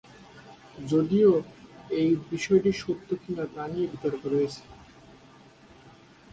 যদিও এই বিষয়টি সত্য কিনা তা নিয়ে বিতর্ক আছে।